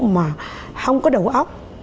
mà không có đầu óc